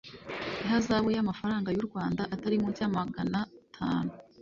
ihazabu y amafaranga y u rwanda atari munsi yamagana tanu